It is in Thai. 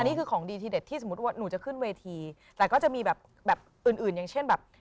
นี่คือของดีทีเด็ดที่สมมุติว่าหนูจะขึ้นเวทีแต่ก็จะมีแบบแบบอื่นอื่นอย่างเช่นแบบ